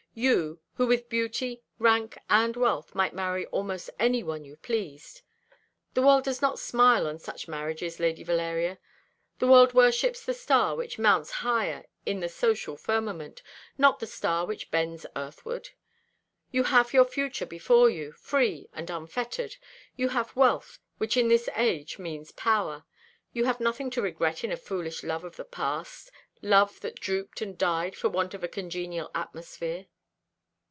You, who with beauty, rank, and wealth, might marry almost any one you pleased. The world does not smile on such marriages, Lady Valeria. The world worships the star which mounts higher in the social firmament, not the star which bends earthward. You have your future before you, free and unfettered. You have wealth, which in this age means power. You can have nothing to regret in a foolish love of the past, love that drooped and died for want of a congenial atmosphere."